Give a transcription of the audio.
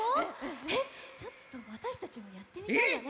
えっちょっとわたしたちもやってみたいよね。